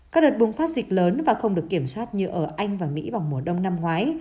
các đợt bùng phát dịch lớn và không được kiểm soát như ở anh và mỹ vào mùa đông năm ngoái